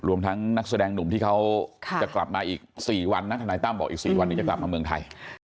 รวมทั้งนักแสดงหนุ่มที่เขาจะกลับมาอีก๔วันนะทนายตั้มบอกอีก๔วันจะกลับมาเมืองไทย